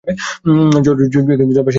জলপাই সেদ্ধ হলেই নামিয়ে ফেলতে হবে।